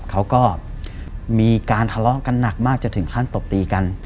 เขาก็มีการทะเลาะกันหนักมากจนถึงขั้นตบตีกัน